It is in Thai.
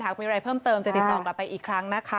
คุยอะไรเพิ่มเติมจะติดต่อกลับไปอีกครั้งนะคะ